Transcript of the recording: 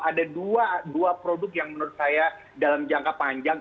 ada dua produk yang menurut saya dalam jangka panjang